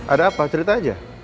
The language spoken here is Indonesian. ada apa cerita aja